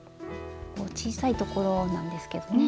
小さいところなんですけどね。